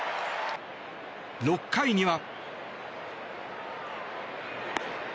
６回には。